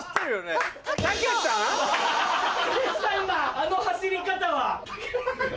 あの走り方は。